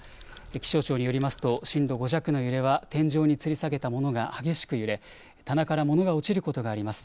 気象庁によりますと震度５弱の揺れは天井につり下げたものが激しく揺れ棚から物が落ちることがあります。